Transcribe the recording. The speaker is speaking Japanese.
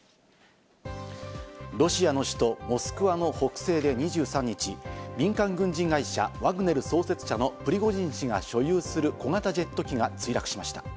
ロシアの首都モスクワの北西で２３日、民間軍事会社ワグネル創設者のプリゴジン氏が所有する小型ジェット機が墜落しました。